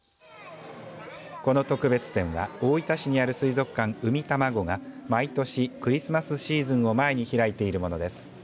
この特別展は大分市にある水族館うみたまごが毎年クリスマスシーズンを前に開いているものです。